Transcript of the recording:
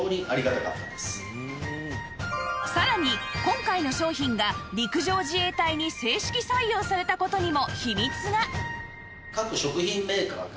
さらに今回の商品が陸上自衛隊に正式採用された事にも秘密が